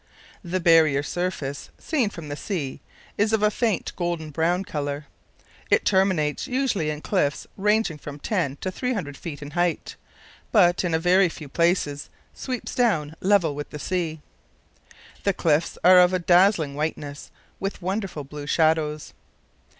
The barrier surface, seen from the sea, is of a faint golden brown colour. It terminates usually in cliffs ranging from 10 to 300 ft. in height, but in a very few places sweeps down level with the sea. The cliffs are of dazzling whiteness, with wonderful blue shadows.